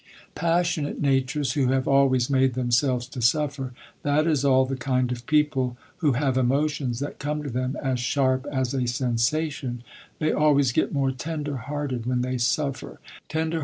Passionate natures who have always made themselves, to suffer, that is all the kind of people who have emotions that come to them as sharp as a sensation, they always get more tender hearted when they suffer, and it always does them good to suffer.